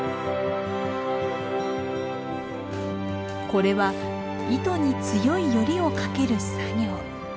これは糸に強いよりをかける作業。